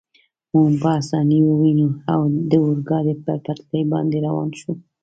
مو په اسانۍ وویني، د اورګاډي پر پټلۍ باندې روان شو.